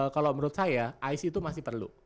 kalau menurut saya isi itu masih perlu